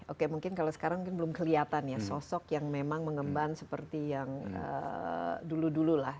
oke mungkin kalau sekarang mungkin belum kelihatan ya sosok yang memang mengemban seperti yang dulu dulu lah